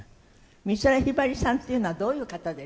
美空ひばりさんっていうのはどういう方でした？